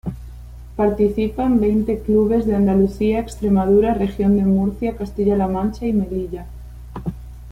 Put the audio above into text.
Participan veinte clubes de Andalucía, Extremadura, Región de Murcia, Castilla-La Mancha y Melilla.